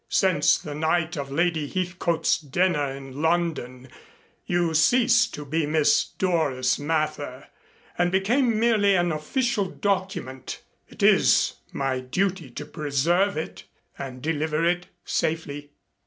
Since the night of Lady Heathcote's dinner in London you ceased to be Miss Doris Mather and became merely an official document. It is my duty to preserve it and deliver it safely."